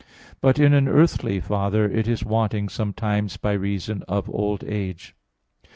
But in an earthly father it is wanting sometimes by reason of old age.